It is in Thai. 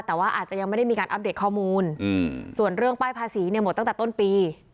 แต่ว่าอาจจะยังไม่ได้มีการอัปเดตข้อมูลส่วนเรื่องป้ายภาษีเนี่ยหมดตั้งแต่ต้นปี